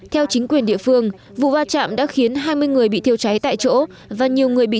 theo chính quyền địa phương vụ va chạm đã khiến hai mươi người bị thiêu cháy tại chỗ và nhiều người bị